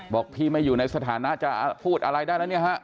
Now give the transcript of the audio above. บอกพี่ไม่อยู่ในสถานะจะพูดอะไรได้แล้วเนี่ยฮะ